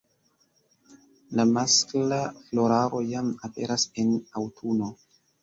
La maskla floraro jam aperas en aŭtuno.